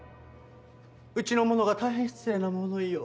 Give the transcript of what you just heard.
うちの者が大変失礼な物言いを。